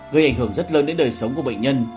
gây ảnh hưởng rất lớn đến đời sống của bệnh nhân